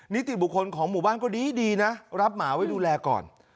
นิติบุคคลของหมู่บ้านก็ดีนะรับหมาไว้ดูแลก่อน